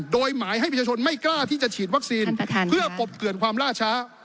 โดยหมายให้ประชาชนไม่กล้าที่จะฉีดวัคซีนเพื่อปกเกือนความล่าช้า